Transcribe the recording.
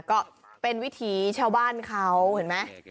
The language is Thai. ก็เป็นวิถีชาวบ้านเขาเห็นไหม